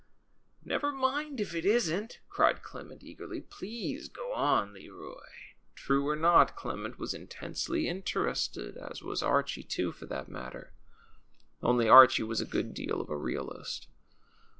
Never mind if it isn't," cried Clement, eagerly. Please go on, Leroy." True or not, Clement was in tensely interested — as was Archie, too, for that matter; only Archie was a good deal of a realist.